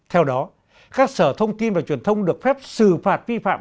theo đó các sở thông tin và truyền thông được phép xử phạt vi phạm